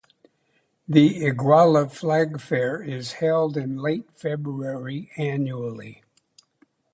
The Iguala Flag Fair is held in late February annually.